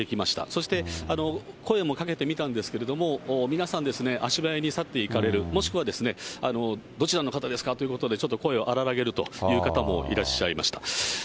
そして声もかけてみたんですけれども、皆さん足早に去っていかれる、もしくは、どちらの方ですかということで、ちょっと声を荒らげるという方もいらっしゃいました。